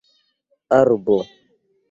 arbo